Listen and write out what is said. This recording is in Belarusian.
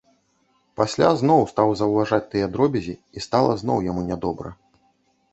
Пасля зноў стаў заўважаць тыя дробязі, і стала зноў яму нядобра.